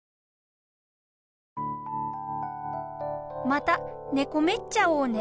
・またねこめっちゃおうね。